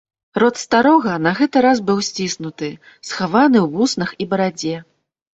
Рот старога на гэты раз быў сціснуты, схаваны ў вусах і барадзе.